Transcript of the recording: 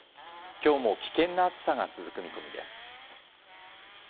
きょうも危険な暑さが続く見込みです。